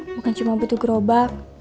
bukan cuma butuh gerobak